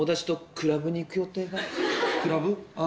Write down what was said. クラブ？